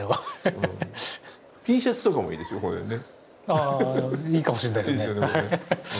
ああいいかもしれないですね。